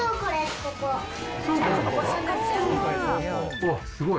うわっすごい。